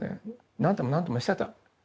何度も何度もしてた。